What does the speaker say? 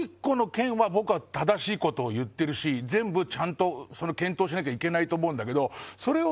僕は正しい事を言ってるし管ちゃんと検討しなきゃいけないと思うんだけど修